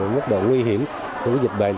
mức độ nguy hiểm của cái dịch bệnh